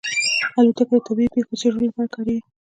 الوتکه د طبیعي پېښو څېړلو لپاره کارېږي.